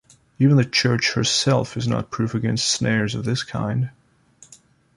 Even the Church herself is not proof against snares of this kind.